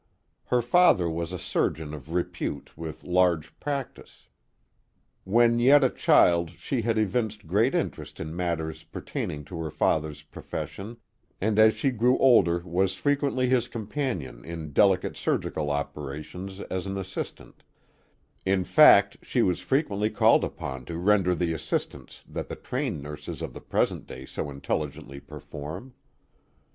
Her father was a surgeon of repute with large practice. When yet a child she had evinced great interest in matters pertaining to her father's profession, and as she grew older was frequently his companion in delicate surgical operations as an assistant; in fact, she was frequently called upon to render the assistance that the trained nurses of the present day so intelligently perform.